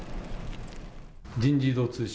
人事異動通知書。